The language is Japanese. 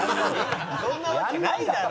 そんなわけないだろ！